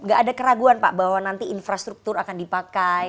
gak ada keraguan pak bahwa nanti infrastruktur akan dipakai